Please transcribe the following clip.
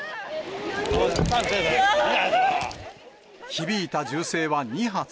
響いた銃声は２発。